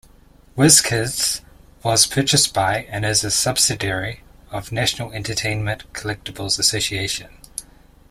WizKids was purchased by and is a subsidiary of National Entertainment Collectibles Association.